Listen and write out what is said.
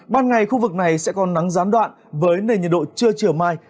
ban ngày khu vực này sẽ còn nắng gián đoạn với nền nhiệt độ chưa trở mai